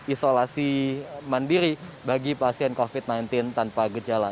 isolasi mandiri bagi pasien covid sembilan belas tanpa gejala